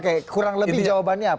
oke kurang lebih jawabannya apa